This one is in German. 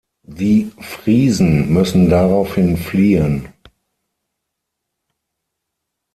Die Friesen müssen daraufhin fliehen.